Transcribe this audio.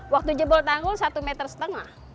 waktu jebol tanggul satu meter setengah